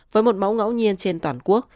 với một mẫu ngẫu nhiên trên toàn quốc